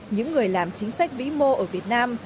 những người làm chính sách vĩ mô ở việt nam